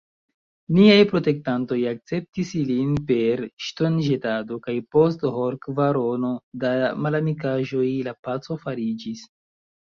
Niaj protektantoj akceptis ilin per ŝtonĵetado, kaj post horkvarono da malamikaĵoj, la paco fariĝis.